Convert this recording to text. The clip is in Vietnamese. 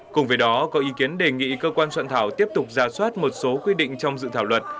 cùng với đó có ý kiến đề nghị cơ quan soạn thảo tiếp tục ra soát một số quy định trong dự thảo luật